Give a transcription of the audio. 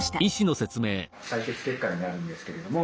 採血結果になるんですけれども。